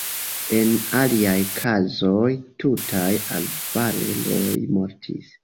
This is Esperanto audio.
En aliaj kazoj tutaj arbareroj mortis.